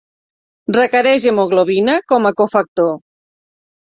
Requereix hemoglobina com a cofactor.